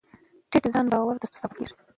ټیټ ځان باور د ستونزو سبب کېږي.